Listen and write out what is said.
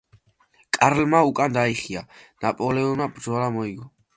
კარლმა უკან დაიხია, ნაპოლეონმა ბრძოლა მოიგო.